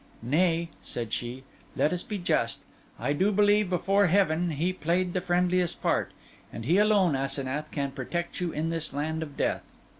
'Nay,' said she, 'let us be just. I do believe before, Heaven, he played the friendliest part. And he alone, Asenath, can protect you in this land of death.